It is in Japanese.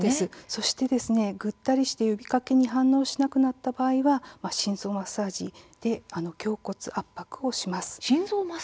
ぐったりして呼びかけに反応しなくなった場合は心臓マッサージで胸骨圧迫します。